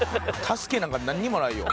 助けなんか何もないよ。